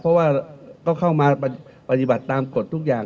เพราะว่าก็เข้ามาปฏิบัติตามกฎทุกอย่าง